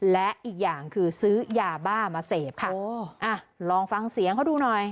และอีกอย่างคือซื้อยาบ้ามาเสพค่ะโอ้อ่ะลองฟังเสียงเขาดูหน่อย